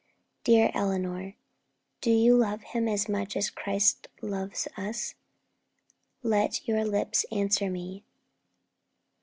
'Dear Eleanor, Do you love him as much as Christ loves us? Let your lips answer me.'